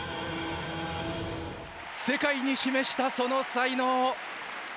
世界に示したその才能。